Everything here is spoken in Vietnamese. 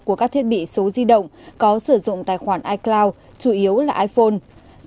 của các thiết bị số di động có sử dụng tài khoản icloud chủ yếu là iphone